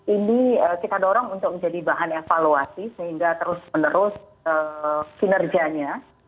ini kita dorong untuk menjadi bahan evaluasi sehingga terus menerus kinerjanya